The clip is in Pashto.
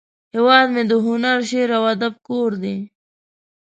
هیواد مې د هنر، شعر، او ادب کور دی